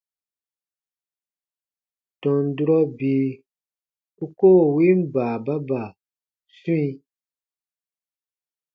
Tɔn durɔ bii u koo win baababa swĩ.